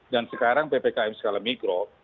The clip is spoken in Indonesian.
sekarang ppkm skala mikro